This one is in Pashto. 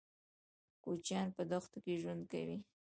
کوچيان په دښتو کې ژوند کوي.